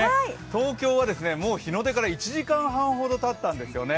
東京は日の出からもう１時間半ほどたったんですね。